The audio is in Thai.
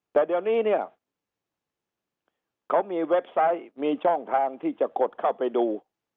แต่เดี๋ยวนี้เนี่ยเขามีเว็บไซต์มีช่องทางที่จะกดเข้าไปดู